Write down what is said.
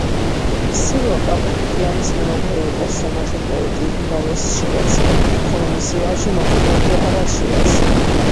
სილვა კაპუტიკიანის მეუღლე იყო სომეხი პოეტი ივანეს შირაზი, ხოლო მისი ვაჟი მოქანდაკე არა შირაზი.